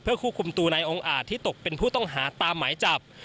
ควบคุมตัวนายองค์อาจที่ตกเป็นผู้ต้องหาตามหมายจับ